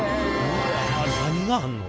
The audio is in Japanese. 何があんの？